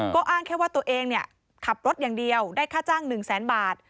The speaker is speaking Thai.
ก็อ้างแค่ว่าตัวเองขับรถอย่างเดียวได้ค่าจ้าง๑แสนบาท